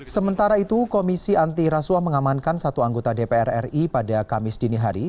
sementara itu komisi anti rasuah mengamankan satu anggota dpr ri pada kamis dini hari